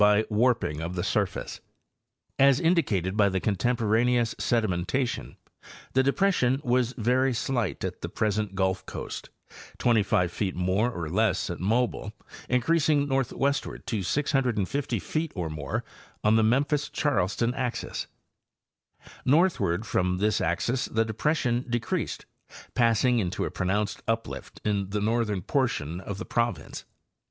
by warping of the surface. As indicated by the contemporaneous sedimentation, the depression was very slight at the present Gulf coast, 25 feet more or less at Mobile, increas . ing northward to 650 feet or more on the Memphis Charleston axis (A B, plate 6). Northward from this axis the depression decreased, passing into a pronounced uplift in the northern por tion of the province.